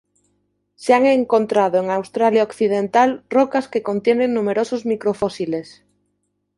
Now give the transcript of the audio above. Se han encontrado en Australia occidental rocas que contienen numerosos microfósiles.